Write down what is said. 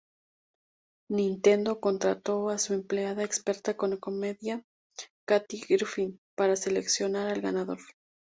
Nintendo contrató a su empleada experta en comedia, Kathy Griffin para seleccionar al ganador.